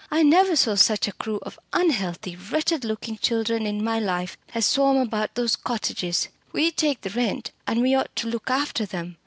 "I never saw such a crew of unhealthy, wretched looking children in my life as swarm about those cottages. We take the rent, and we ought to look after them.